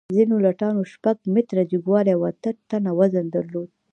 ځینو لټانو شپږ متره جګوالی او اته ټنه وزن درلود.